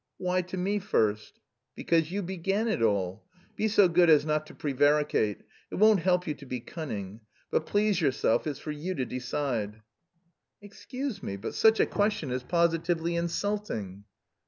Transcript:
"Why to me first?" "Because you began it all. Be so good as not to prevaricate; it won't help you to be cunning. But please yourself, it's for you to decide." "Excuse me, but such a question is positively insulting."